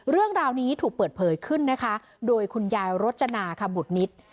เรื่องราวนี้ถูกเปิดเผยขึ้นนะคะโดยคุณยายรจนาคบุตรนิษฐ์